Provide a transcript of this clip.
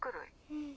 うん。